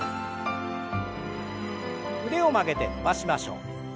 腕を曲げて伸ばしましょう。